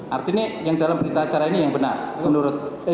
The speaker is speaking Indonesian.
artinya yang dalam berita acara ini yang benar